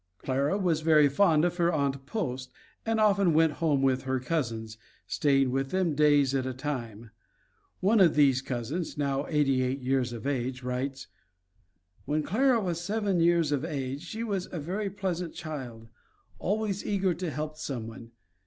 Clara was very fond of her Aunt Post and often went home with her cousins, staying with them days at a time. One of these cousins, now eighty eight years of age, writes: "When Clara was seven years of age she was a very pleasant child, always eager to help someone.